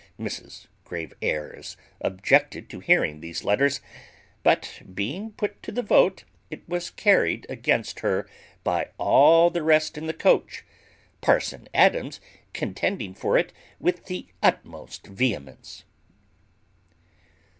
Mrs Grave airs objected to hearing these letters; but being put to the vote, it was carried against her by all the rest in the coach; parson Adams contending for it with the utmost vehemence.